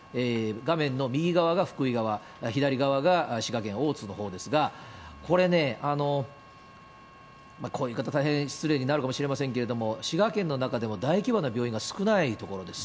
画面の右側が福井側、左側が滋賀県大津のほうですが、これね、こういう言い方、大変失礼になるかもしれませんけれども、滋賀県の中でも大規模な病院が少ない所です。